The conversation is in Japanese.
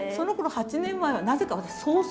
８年前はなぜか私総帥！？